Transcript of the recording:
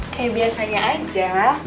kayak biasanya aja